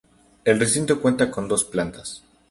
El recinto cuenta con dos plantas.